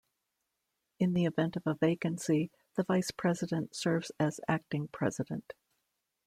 In the event of a vacancy the Vice-President serves as Acting President.